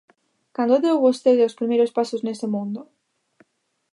Cando deu vostede os primeiros pasos nese mundo?